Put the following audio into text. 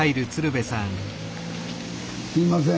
すいません。